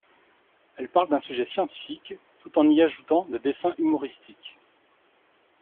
Elle parle d'un sujet scientifique tout en y ajoutant des dessins humoristiques.